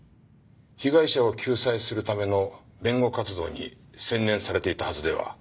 被害者を救済するための弁護活動に専念されていたはずでは？